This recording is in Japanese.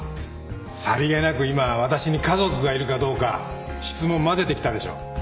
さりげなく今私に家族がいるかどうか質問交ぜてきたでしょ。